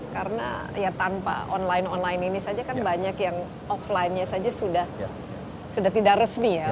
karena ya tanpa online online ini saja kan banyak yang offline nya saja sudah tidak resmi ya